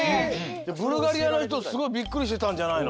ブルガリアのひとすごいびっくりしてたんじゃないの？